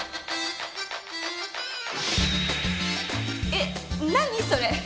えっ何それ？